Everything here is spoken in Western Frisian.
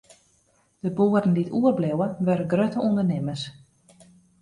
De boeren dy't oerbliuwe, wurde grutte ûndernimmers.